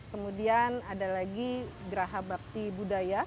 kemudian ada lagi geraha bakti budaya